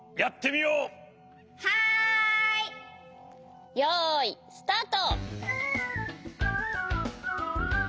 よいスタート！